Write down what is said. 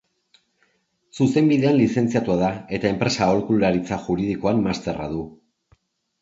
Zuzenbidean lizentziatua da eta Enpresen Aholkularitza Juridikoan masterra du.